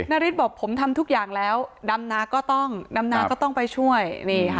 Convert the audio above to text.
นาริสบอกผมทำทุกอย่างแล้วดำนาก็ต้องดำนาก็ต้องไปช่วยนี่ค่ะ